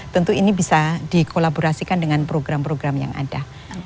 tentu ini bisa dikolaborasikan dengan program program yang ada